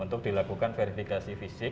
untuk dilakukan verifikasi fisik